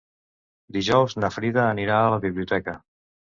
Dijous na Frida anirà a la biblioteca.